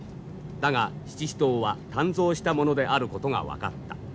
だが七支刀は鍛造したものであることが分かった。